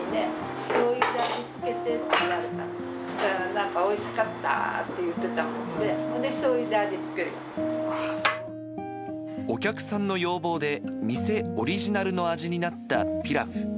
そうしたら、なんかおいしかったって言ってたもんで、それでしょうゆで味付けお客さんの要望で、店オリジナルの味になったピラフ。